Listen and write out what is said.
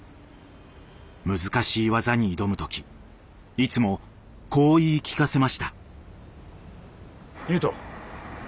難しい技に挑む時いつもこう言い聞かせました。